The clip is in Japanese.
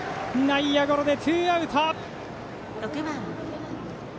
内野ゴロでツーアウト。